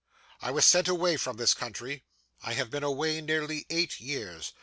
I was sent away from this country. I have been away nearly eight years.